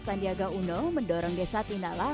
sandiaga uno mendorong desa tinala